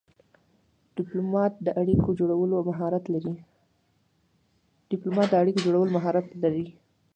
ډيپلومات د اړیکو جوړولو مهارت لري.